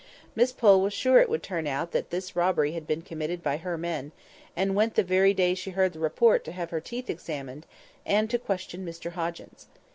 Miss Pole was sure it would turn out that this robbery had been committed by "her men," and went the very day she heard the report to have her teeth examined, and to question Mr Hoggins.